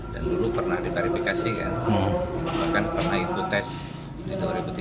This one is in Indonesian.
dan dulu pernah dikarifikasi kan bahkan pernah ikut tes di dua ribu tiga belas